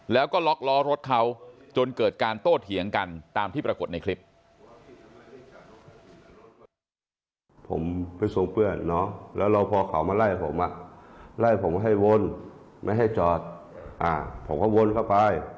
แล้วก็ล็อกล้อรถเขาจนเกิดการโต้เถียงกันตามที่ปรากฏในคลิป